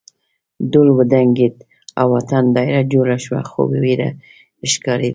ډول وډنګېد او اتڼ دایره جوړه شوه خو وېره ښکارېده.